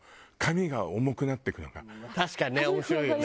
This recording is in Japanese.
確かにね面白いよね。